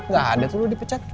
gak ada tuh lu dipecat